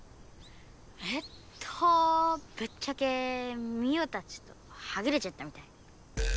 えっとぶっちゃけミオたちとはぐれちゃったみたい。